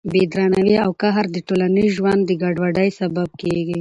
بې درناوي او قهر د ټولنیز ژوند د ګډوډۍ سبب کېږي.